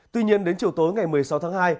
tuy nhiên đến chiều tối ngày một mươi sáu tháng hai